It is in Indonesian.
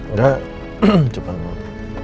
udah cuma mau